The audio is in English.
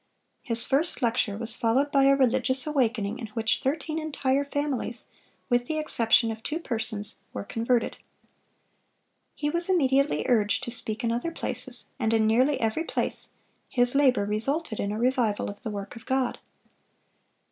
His first lecture was followed by a religious awakening in which thirteen entire families, with the exception of two persons, were converted. He was immediately urged to speak in other places, and in nearly every place his labor resulted in a revival of the work of God.